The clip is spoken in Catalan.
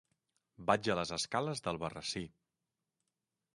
Vaig a les escales d'Albarrasí.